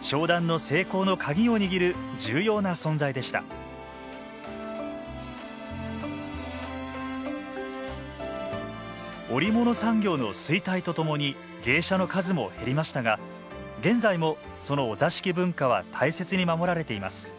商談の成功の鍵を握る重要な存在でした織物産業の衰退とともに芸者の数も減りましたが現在もそのお座敷文化は大切に守られています